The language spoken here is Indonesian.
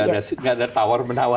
kita ada tawar penawar